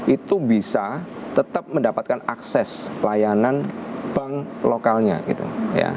itu bisa tetap mendapatkan akses layanan bank lokalnya gitu ya